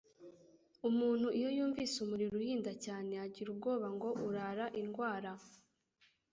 Umuntu iyo yumvise umuriro uhinda cyane, agira ubwoba ngo urara indwara,